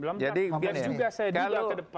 biar juga saya dengar ke depan